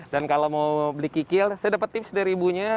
dan kalau mau beli kikil saya dapet tips dari ibunya